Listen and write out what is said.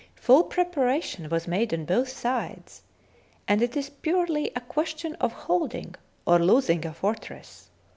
Full prep aration was made on both sides, and it is purely a question of holding or losing a fortress.